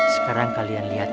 sekarang kalian lihat